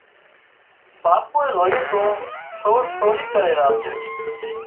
ٻاپوئي زويون تو سور سوري ڪري را سي